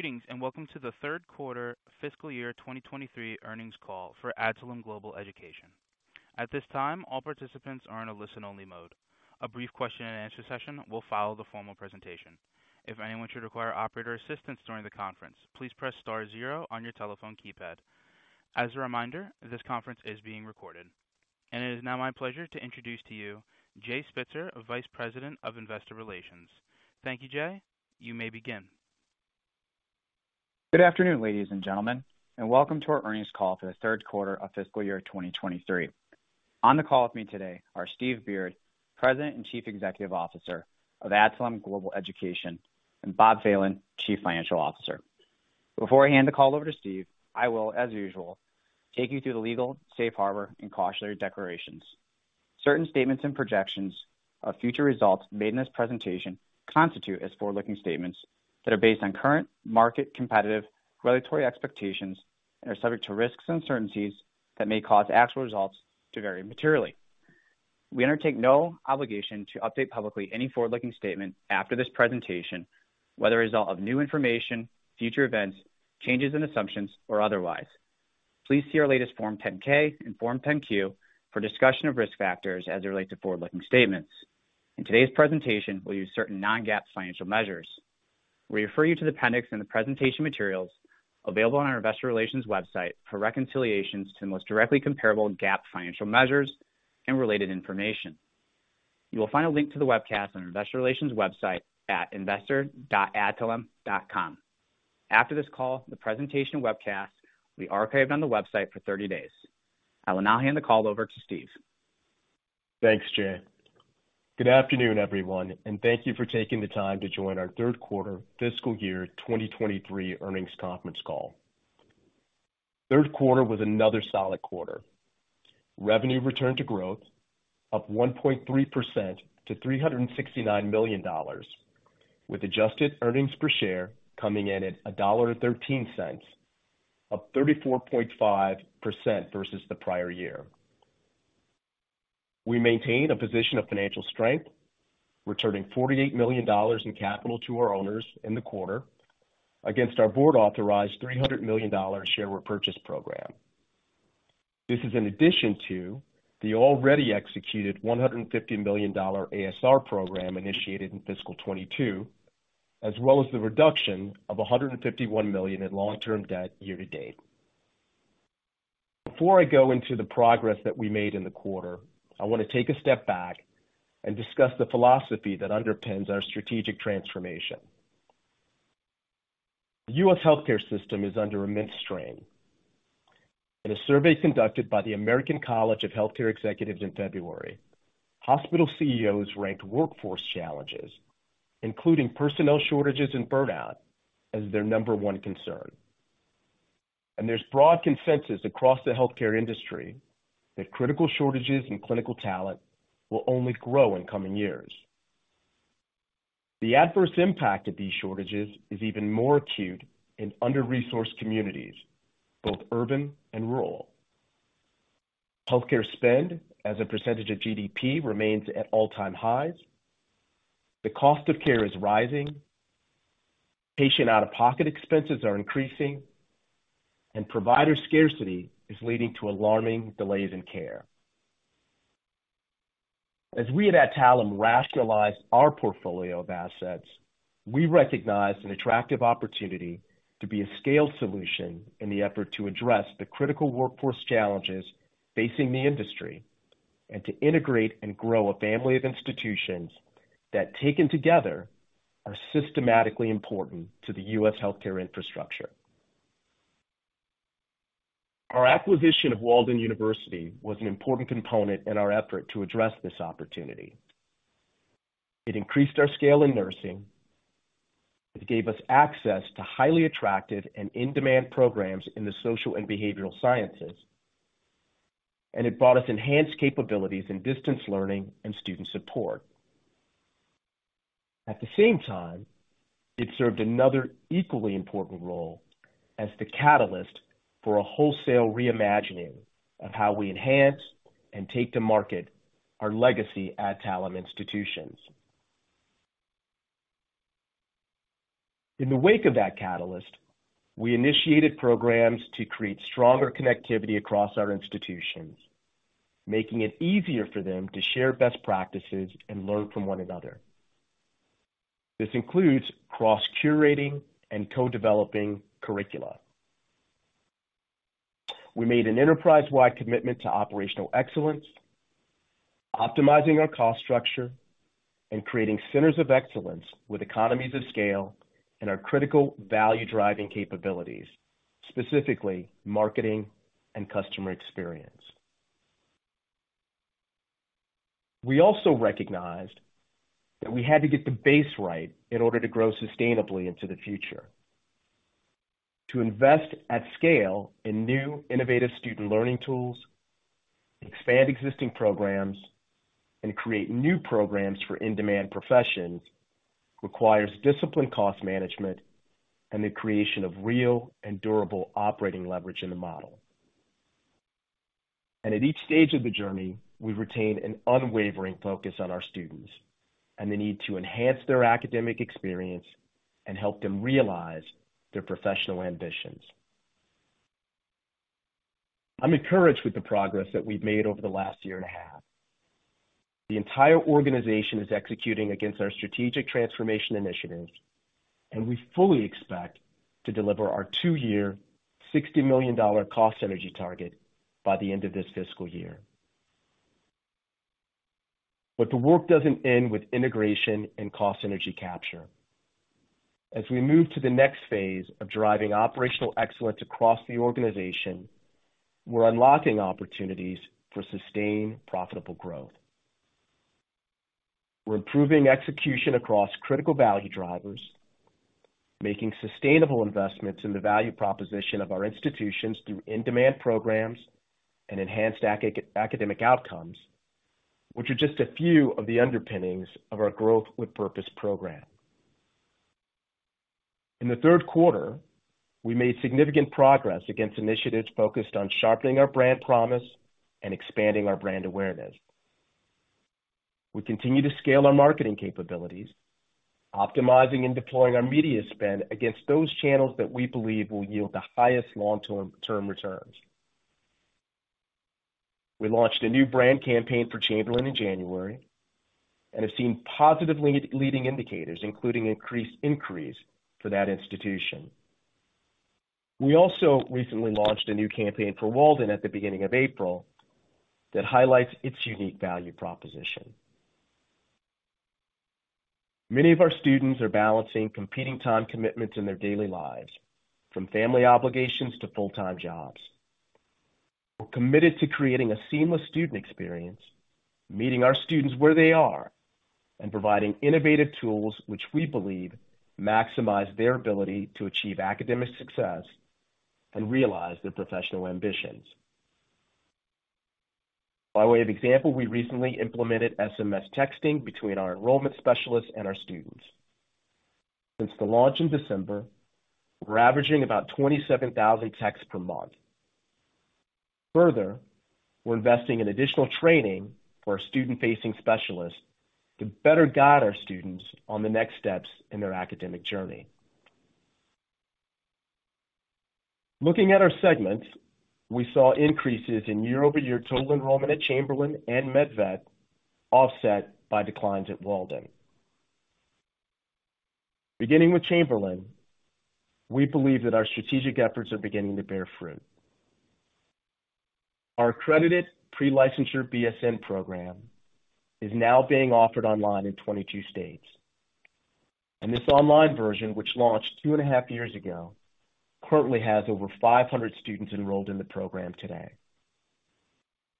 Greetings, welcome to the Q3 fiscal year 2023 earnings call for Adtalem Global Education. At this time, all participants are in a listen-only mode. A brief question and answer session will follow the formal presentation. If anyone should require operator assistance during the conference, please press star zero on your telephone keypad. As a reminder, this conference is being recorded. It is now my pleasure to introduce to you Jay Spitzer, Vice President of Investor Relations. Thank you, Jay. You may begin. Good afternoon, ladies and gentlemen, welcome to our earnings call for the Q3 of fiscal year 2023. On the call with me today are Steve Beard, President and Chief Executive Officer of Adtalem Global Education, and Bob Phelan, Chief Financial Officer. Before I hand the call over to Steve, I will, as usual, take you through the legal, safe harbor, and cautionary declarations. Certain statements and projections of future results made in this presentation constitute as forward-looking statements that are based on current market competitive regulatory expectations and are subject to risks and uncertainties that may cause actual results to vary materially. We undertake no obligation to update publicly any forward-looking statement after this presentation, whether as a result of new information, future events, changes in assumptions, or otherwise. Please see our latest Form 10-K and Form 10-Q for discussion of risk factors as it relates to forward-looking statements. In today's presentation, we'll use certain non-GAAP financial measures. We refer you to the appendix in the presentation materials available on our investor relations website for reconciliations to the most directly comparable GAAP financial measures and related information. You will find a link to the webcast on our investor relations website at investors.adtalem.com. After this call, the presentation webcast will be archived on the website for 30 days. I will now hand the call over to Steve. Thanks, Jay. Good afternoon, everyone, and thank you for taking the time to join our Q3 fiscal year 2023 earnings conference call. Q3 was another solid quarter. Revenue returned to growth of 1.3% to $369 million, with adjusted earnings per share coming in at $1.13, up 34.5% versus the prior year. We maintained a position of financial strength, returning $48 million in capital to our owners in the quarter against our board authorized $300 million share repurchase program. This is in addition to the already executed $150 million ASR program initiated in fiscal 2022, as well as the reduction of $151 million in long-term debt year-to-date. Before I go into the progress that we made in the quarter, I want to take a step back and discuss the philosophy that underpins our strategic transformation. The U.S. healthcare system is under immense strain. In a survey conducted by the American College of Healthcare Executives in February, hospital CEOs ranked workforce challenges, including personnel shortages and burnout, as their number one concern. There's broad consensus across the healthcare industry that critical shortages in clinical talent will only grow in coming years. The adverse impact of these shortages is even more acute in under-resourced communities, both urban and rural. Healthcare spend as a percentage of GDP remains at all-time highs. The cost of care is rising, patient out-of-pocket expenses are increasing, and provider scarcity is leading to alarming delays in care. As we at Adtalem rationalize our portfolio of assets, we recognize an attractive opportunity to be a scaled solution in the effort to address the critical workforce challenges facing the industry and to integrate and grow a family of institutions that, taken together, are systematically important to the U.S. healthcare infrastructure. Our acquisition of Walden University was an important component in our effort to address this opportunity. It increased our scale in nursing. It gave us access to highly attractive and in-demand programs in the social and behavioral sciences. It brought us enhanced capabilities in distance learning and student support. At the same time, it served another equally important role as the catalyst for a wholesale reimagining of how we enhance and take to market our legacy Adtalem institutions. In the wake of that catalyst, we initiated programs to create stronger connectivity across our institutions, making it easier for them to share best practices and learn from one another. This includes cross-curating and co-developing curricula. We made an enterprise-wide commitment to operational excellence, optimizing our cost structure, and creating centers of excellence with economies of scale in our critical value-driving capabilities, specifically marketing and customer experience. We also recognized that we had to get the base right in order to grow sustainably into the future. To invest at scale in new innovative student learning tools, expand existing programs, and create new programs for in-demand professions requires disciplined cost management and the creation of real and durable operating leverage in the model. At each stage of the journey, we retain an unwavering focus on our students and the need to enhance their academic experience and help them realize their professional ambitions. I'm encouraged with the progress that we've made over the last year and a half. The entire organization is executing against our strategic transformation initiatives, and we fully expect to deliver our two-year $60 million cost synergy target by the end of this fiscal year. The work doesn't end with integration and cost synergy capture. As we move to the next phase of driving operational excellence across the organization, we're unlocking opportunities for sustained, profitable growth. We're improving execution across critical value drivers, making sustainable investments in the value proposition of our institutions through in-demand programs and enhanced academic outcomes, which are just a few of the underpinnings of our Growth with Purpose program. The Q3, we made significant progress against initiatives focused on sharpening our brand promise and expanding our brand awareness. We continue to scale our marketing capabilities, optimizing and deploying our media spend against those channels that we believe will yield the highest long-term returns. We launched a new brand campaign for Chamberlain in January and have seen positive leading indicators, including increased inquiries for that institution. We also recently launched a new campaign for Walden at the beginning of April that highlights its unique value proposition. Many of our students are balancing competing time commitments in their daily lives, from family obligations to full-time jobs. We're committed to creating a seamless student experience, meeting our students where they are, and providing innovative tools which we believe maximize their ability to achieve academic success and realize their professional ambitions. By way of example, we recently implemented SMS texting between our enrollment specialists and our students. Since the launch in December, we're averaging about 27,000 texts per month. Further, we're investing in additional training for our student-facing specialists to better guide our students on the next steps in their academic journey. Looking at our segments, we saw increases in year-over-year total enrollment at Chamberlain and MedVet, offset by declines at Walden. Beginning with Chamberlain, we believe that our strategic efforts are beginning to bear fruit. Our accredited pre-licensure BSN program is now being offered online in 22 states. This online version, which launched 2 and a half years ago, currently has over 500 students enrolled in the program today.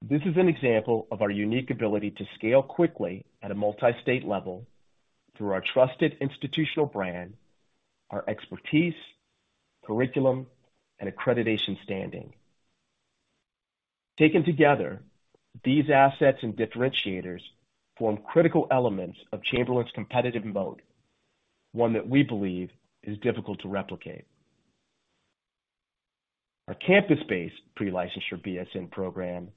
This is an example of our unique ability to scale quickly at a multi-state level through our trusted institutional brand, our expertise, curriculum, and accreditation standing. Taken together, these assets and differentiators form critical elements of Chamberlain's competitive moat, one that we believe is difficult to replicate. Our campus-based pre-licensure BSN program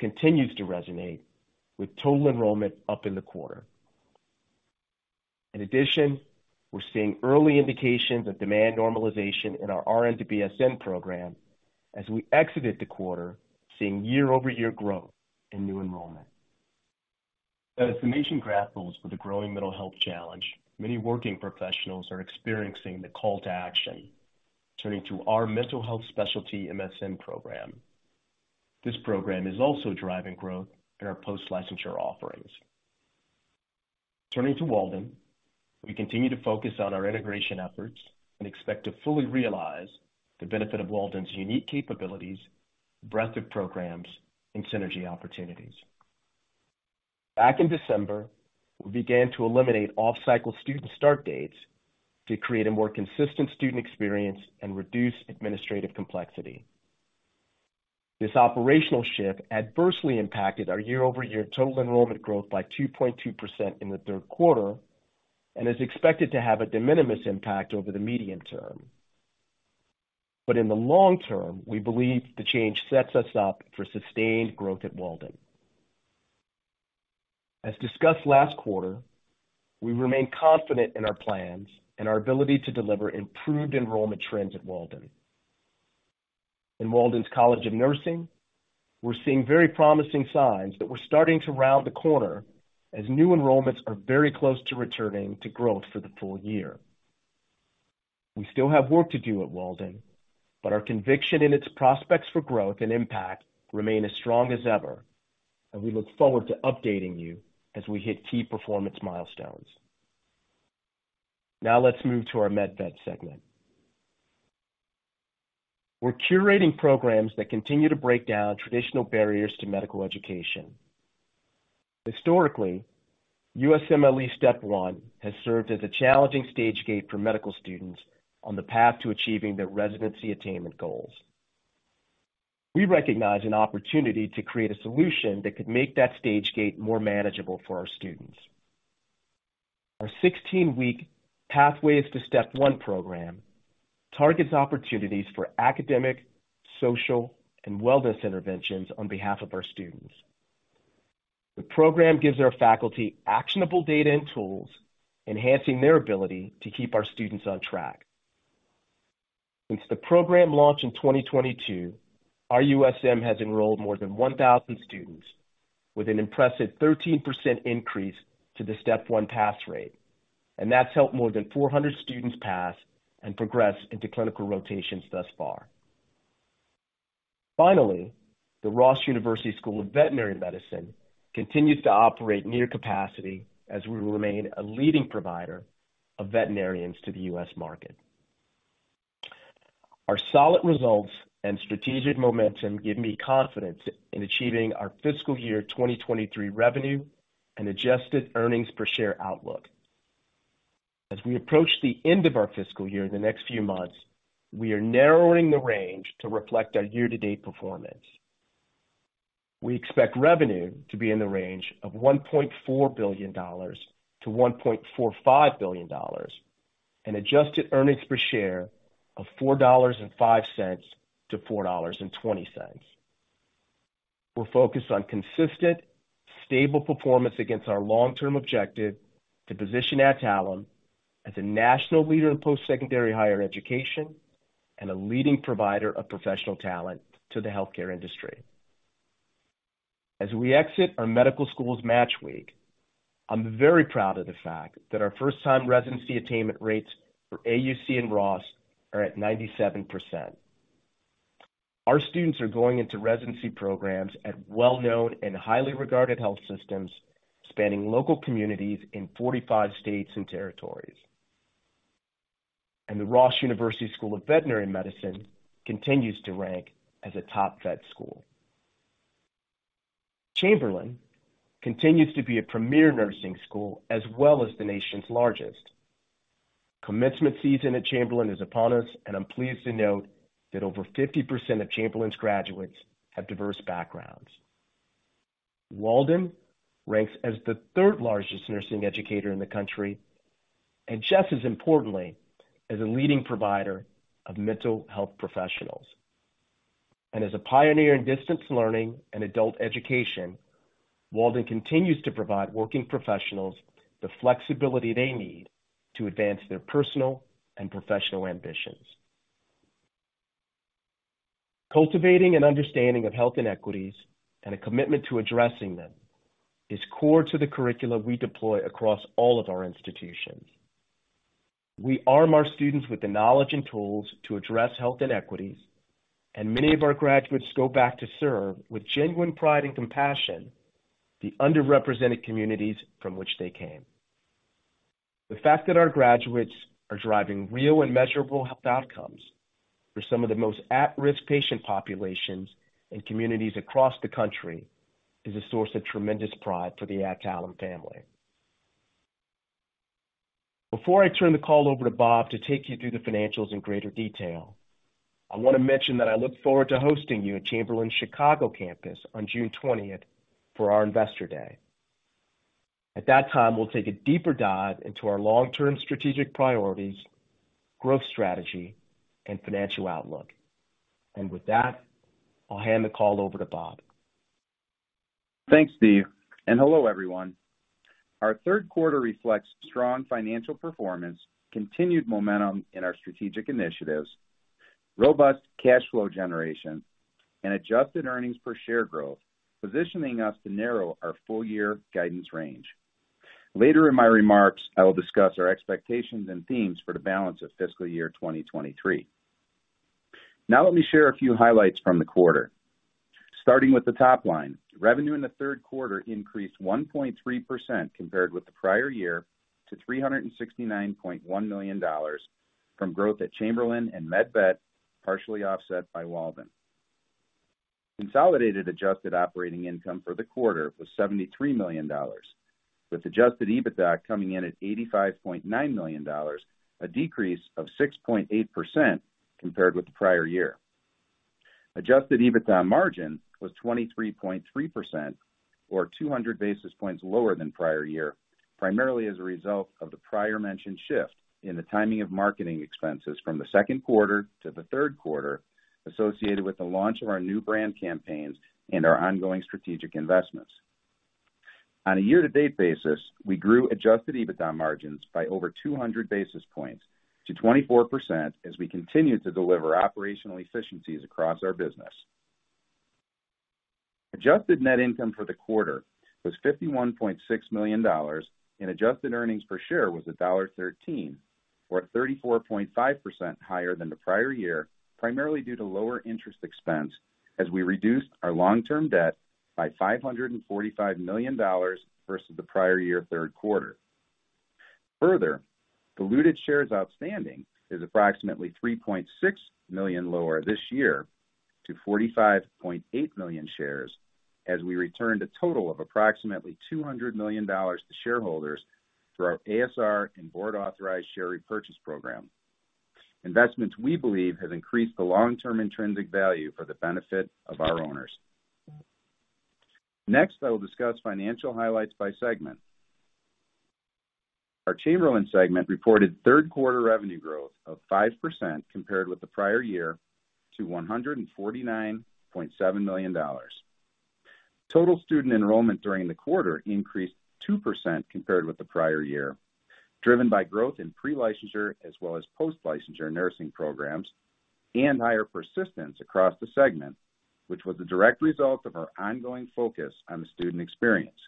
continues to resonate, with total enrollment up in the quarter. We're seeing early indications of demand normalization in our RN to BSN program as we exited the quarter, seeing year-over-year growth in new enrollment. As the nation grapples with the growing mental health challenge, many working professionals are experiencing the call to action, turning to our mental health specialty MSN program. This program is also driving growth in our post-licensure offerings. Turning to Walden, we continue to focus on our integration efforts and expect to fully realize the benefit of Walden's unique capabilities, breadth of programs, and synergy opportunities. Back in December, we began to eliminate off-cycle student start dates to create a more consistent student experience and reduce administrative complexity. This operational shift adversely impacted our year-over-year total enrollment growth by 2.2% in the Q3 and is expected to have a de minimis impact over the medium term. In the long term, we believe the change sets us up for sustained growth at Walden. As discussed last quarter, we remain confident in our plans and our ability to deliver improved enrollment trends at Walden. In Walden's College of Nursing, we're seeing very promising signs that we're starting to round the corner as new enrollments are very close to returning to growth for the full year. We still have work to do at Walden, but our conviction in its prospects for growth and impact remain as strong as ever, and we look forward to updating you as we hit key performance milestones. Let's move to our MedVet segment. We're curating programs that continue to break down traditional barriers to medical education. Historically, USMLE Step 1 has served as a challenging stage gate for medical students on the path to achieving their residency attainment goals. We recognize an opportunity to create a solution that could make that stage gate more manageable for our students. Our 16-week Pathways to Step One program targets opportunities for academic, social, and wellness interventions on behalf of our students. The program gives our faculty actionable data and tools, enhancing their ability to keep our students on track. Since the program launched in 2022, our USMLE program has enrolled more than 1,000 students with an impressive 13% increase to the Step 1 pass rate, and that's helped more than 400 students pass and progress into clinical rotations thus far. The Ross University School of Veterinary Medicine continues to operate near capacity as we remain a leading provider of veterinarians to the U.S. market. Our solid results and strategic momentum give me confidence in achieving our fiscal year 2023 revenue and adjusted earnings per share outlook. As we approach the end of our fiscal year in the next few months, we are narrowing the range to reflect our year-to-date performance. We expect revenue to be in the range of $1.4 -$1.45 billion, and adjusted earnings per share of $4.05-$4.20. We're focused on consistent, stable performance against our long-term objective to position Adtalem as a national leader in post-secondary higher education and a leading provider of professional talent to the healthcare industry. As we exit our medical schools match week, I'm very proud of the fact that our first time residency attainment rates for AUC and Ross are at 97%. Our students are going into residency programs at well-known and highly regarded health systems spanning local communities in 45 states and territories. The Ross University School of Veterinary Medicine continues to rank as a top vet school. Chamberlain continues to be a premier nursing school as well as the nation's largest. Commencement season at Chamberlain is upon us, and I'm pleased to note that over 50% of Chamberlain's graduates have diverse backgrounds. Walden ranks as the third largest nursing educator in the country, and just as importantly, as a leading provider of mental health professionals. As a pioneer in distance learning and adult education, Walden continues to provide working professionals the flexibility they need to advance their personal and professional ambitions. Cultivating an understanding of health inequities and a commitment to addressing them is core to the curricula we deploy across all of our institutions. We arm our students with the knowledge and tools to address health inequities, and many of our graduates go back to serve, with genuine pride and compassion, the underrepresented communities from which they came. The fact that our graduates are driving real and measurable health outcomes for some of the most at-risk patient populations and communities across the country is a source of tremendous pride for the Adtalem family. Before I turn the call over to Bob to take you through the financials in greater detail, I want to mention that I look forward to hosting you at Chamberlain's Chicago campus on June 20th for our Investor Day. At that time, we'll take a deeper dive into our long-term strategic priorities, growth strategy, and financial outlook. With that, I'll hand the call over to Bob. Thanks, Steve, and hello, everyone. Our Q3 reflects strong financial performance, continued momentum in our strategic initiatives, robust cash flow generation and adjusted earnings per share growth, positioning us to narrow our full year guidance range. Later in my remarks, I will discuss our expectations and themes for the balance of fiscal year 2023. Now let me share a few highlights from the quarter. Starting with the top line, revenue in the Q3 increased 1.3% compared with the prior year to $369.1 million from growth at Chamberlain and MedVet, partially offset by Walden. Consolidated adjusted operating income for the quarter was $73 million, with adjusted EBITDA coming in at $85.9 million, a decrease of 6.8% compared with the prior year. Adjusted EBITDA margin was 23.3% or 200 basis points lower than prior year, primarily as a result of the prior mentioned shift in the timing of marketing expenses from the Q2 to the Q3, associated with the launch of our new brand campaigns and our ongoing strategic investments. On a year-to-date basis, we grew adjusted EBITDA margins by over 200 basis points to 24% as we continue to deliver operational efficiencies across our business. Adjusted net income for the quarter was $51.6 million, adjusted earnings per share was $1.13, or 34.5% higher than the prior year, primarily due to lower interest expense as we reduced our long-term debt by $545 million versus the prior year Q3. Diluted shares outstanding is approximately 3.6 million lower this year to 45.8 million shares as we returned a total of approximately $200 million to shareholders through our ASR and board authorized share repurchase program. Investments we believe have increased the long-term intrinsic value for the benefit of our owners. I will discuss financial highlights by segment. Our Chamberlain segment reported Q3 revenue growth of 5% compared with the prior year to $149.7 million. Total student enrollment during the quarter increased 2% compared with the prior year, driven by growth in pre-licensure as well as post-licensure nursing programs and higher persistence across the segment, which was a direct result of our ongoing focus on the student experience.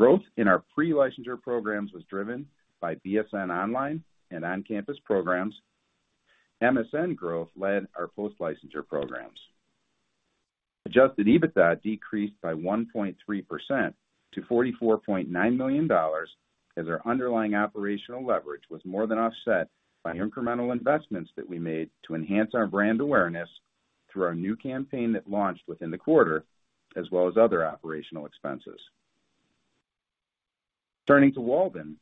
Growth in our pre-licensure programs was driven by BSN Online and on-campus programs. MSN growth led our post-licensure programs. Adjusted EBITDA decreased by 1.3% to $44.9 million as our underlying operational leverage was more than offset by incremental investments that we made to enhance our brand awareness through our new campaign that launched within the quarter, as well as other operational expenses. Turning to Walden,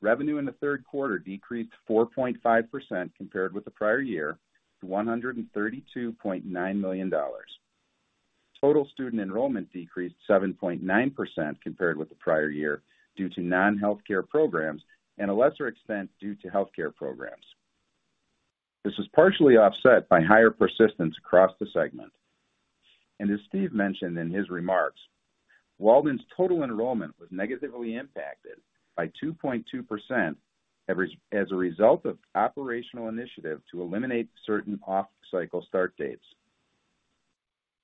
revenue in the Q3 decreased 4.5% compared with the prior year to $132.9 million. Total student enrollment decreased 7.9% compared with the prior year due to non-healthcare programs and a lesser extent due to healthcare programs. This was partially offset by higher persistence across the segment. As Steve mentioned in his remarks, Walden's total enrollment was negatively impacted by 2.2% as a result of operational initiative to eliminate certain off cycle start dates.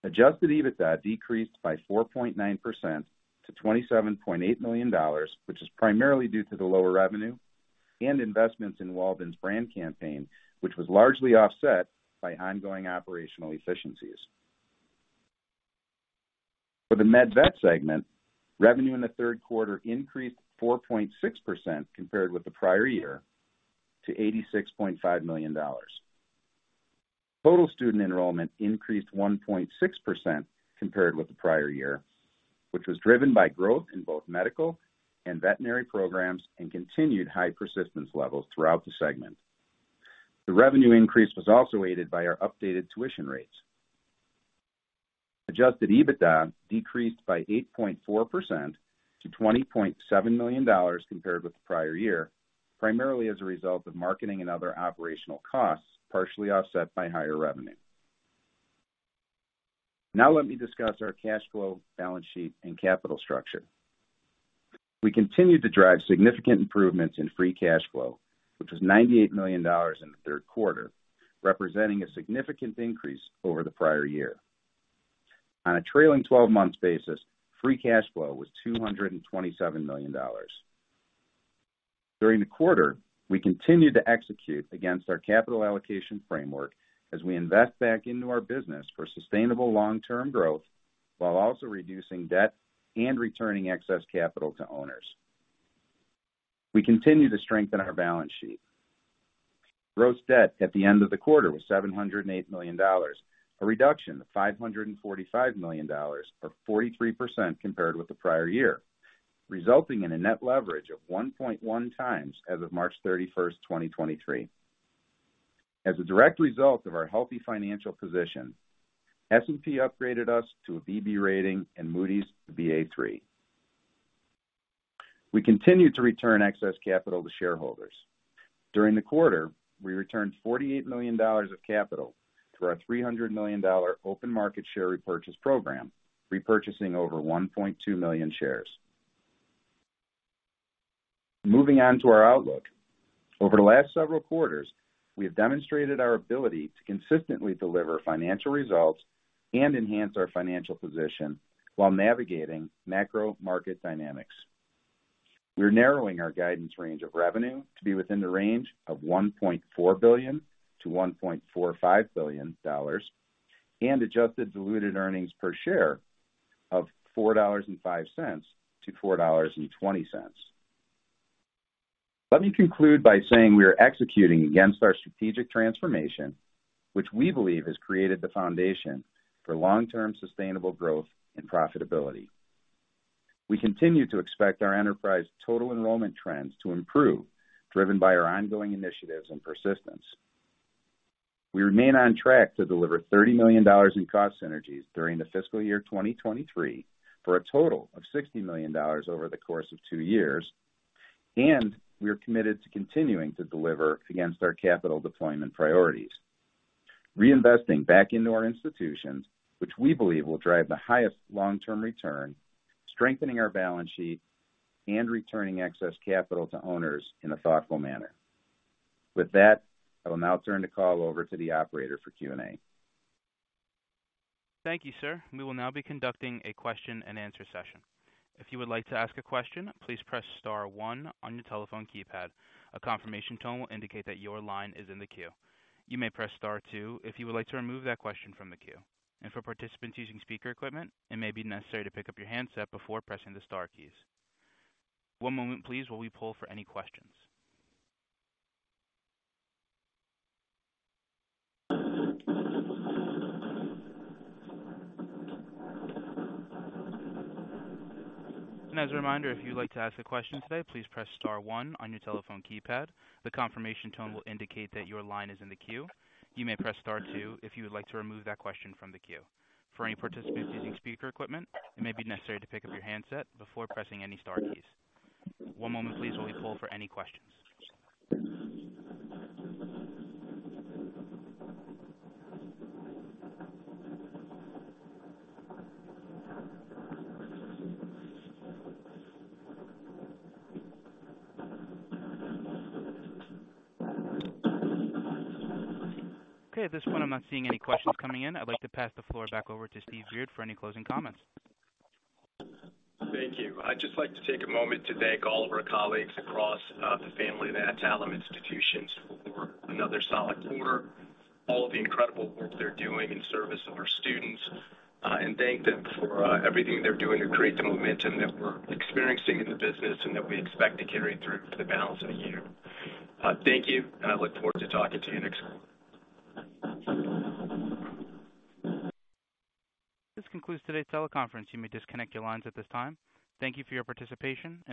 Adjusted EBITDA decreased by 4.9% to $27.8 million, which is primarily due to the lower revenue and investments in Walden's brand campaign, which was largely offset by ongoing operational efficiencies. For the MedVet segment, revenue in the Q3 increased 4.6% compared with the prior year to $86.5 million. Total student enrollment increased 1.6% compared with the prior year, which was driven by growth in both medical and veterinary programs and continued high persistence levels throughout the segment. The revenue increase was also aided by our updated tuition rates. Adjusted EBITDA decreased by 8.4% to $20.7 million compared with the prior year, primarily as a result of marketing and other operational costs, partially offset by higher revenue. Let me discuss our cash flow, balance sheet, and capital structure. We continued to drive significant improvements in free cash flow, which was $98 million in the Q3, representing a significant increase over the prior year. On a trailing 12 months basis, free cash flow was $227 million. During the quarter, we continued to execute against our capital allocation framework as we invest back into our business for sustainable long-term growth while also reducing debt and returning excess capital to owners. We continue to strengthen our balance sheet. Gross debt at the end of the quarter was $708 million, a reduction of $545 million, or 43% compared with the prior year, resulting in a net leverage of 1.1 times as of March 31, 2023. As a direct result of our healthy financial position, S&P upgraded us to a BB rating and Moody's to Ba3. We continued to return excess capital to shareholders. During the quarter, we returned $48 million of capital through our $300 million open market share repurchase program, repurchasing over 1.2 million shares. Moving on to our outlook. Over the last several quarters, we have demonstrated our ability to consistently deliver financial results and enhance our financial position while navigating macro market dynamics. We're narrowing our guidance range of revenue to be within the range of $1.4 -$1.45 billion and adjusted diluted earnings per share of $4.05-$4.20. Let me conclude by saying we are executing against our strategic transformation, which we believe has created the foundation for long-term sustainable growth and profitability. We continue to expect our enterprise total enrollment trends to improve, driven by our ongoing initiatives and persistence. We remain on track to deliver $30 million in cost synergies during the fiscal year 2023 for a total of $60 million over the course of two years. We are committed to continuing to deliver against our capital deployment priorities: reinvesting back into our institutions, which we believe will drive the highest long-term return, strengthen our balance sheet, and returning excess capital to owners in a thoughtful manner. With that, I will now turn the call over to the operator for Q&A. Thank you, sir. We will now be conducting a question-and-answer session. If you would like to ask a question, please press star one on your telephone keypad. A confirmation tone will indicate that your line is in the queue. You may press star two if you would like to remove that question from the queue. For participants using speaker equipment, it may be necessary to pick up your handset before pressing the star keys. One moment please while we poll for any questions. As a reminder, if you'd like to ask a question today, please press star one on your telephone keypad. The confirmation tone will indicate that your line is in the queue. You may press star two if you would like to remove that question from the queue. For any participants using speaker equipment, it may be necessary to pick up your handset before pressing any star keys. One moment, please, while we poll for any questions. Okay. At this point, I'm not seeing any questions coming in. I'd like to pass the floor back over to Steve Beard for any closing comments. Thank you. I'd just like to take a moment to thank all of our colleagues across the family of Adtalem institutions for another solid quarter, all the incredible work they're doing in service of our students, and thank them for everything they're doing to create the momentum that we're experiencing in the business and that we expect to carry through for the balance of the year. Thank you, and I look forward to talking to you next quarter. This concludes today's teleconference. You may disconnect your lines at this time. Thank you for your participation and-